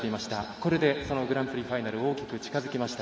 これでこのグランプリファイナル大きく近づきました。